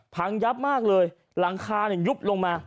พังยับมากเลยหลังคายุบลงมา